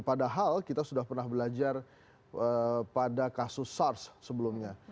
padahal kita sudah pernah belajar pada kasus sars sebelumnya